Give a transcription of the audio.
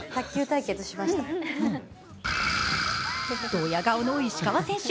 どや顔の石川選手。